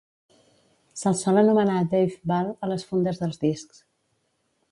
Se"l sol anomenar Dave Ball a les fundes dels discs.